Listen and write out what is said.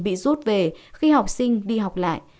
bị rút về khi học sinh đi học lại